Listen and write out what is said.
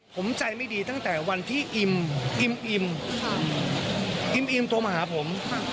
ผมใจไม่ดีตั้งแต่วันที่อิมอิ่มอิมอิมโทรมาหาผม